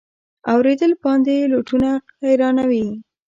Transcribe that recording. اورېدل باندي لوټونه غیرانونه